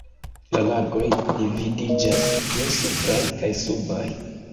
La lagoj dividiĝas je supraj kaj subaj.